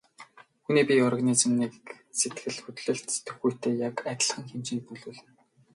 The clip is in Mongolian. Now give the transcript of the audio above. Хүний бие организм нь сэтгэл хөдлөлд сэтгэхүйтэй яг адилхан хэмжээнд нөлөөлнө.